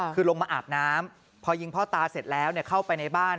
คือลงมาอาบน้ำพอยิงพ่อตาเสร็จแล้วเข้าไปในบ้าน